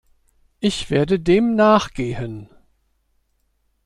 Ich werde dem nachgehen.